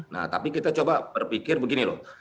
nah tapi kita coba berpikir begini loh